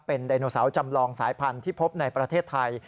เป็นไดโนเสาร์จำลองสายพันธุ์ที่พบในประเทศไทย